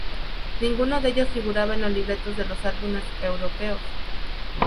Ninguno de ellos figuraba en los libretos de los álbumes europeos.